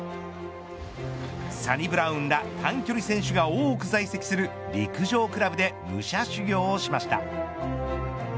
サニブラウンら短距離選手が多く在籍する陸上クラブで武者修行しました。